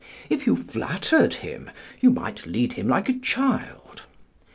If you flattered him, you might lead him like a child.